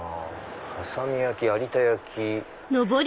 「波佐見焼有田焼」。